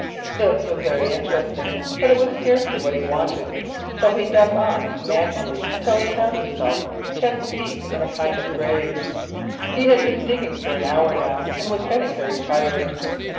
This was very interesting, but it was scarcely what he wanted, so he dug on manfully until he found himself chest deep in a kind of grave. He had been digging for an hour now, and was getting very tired.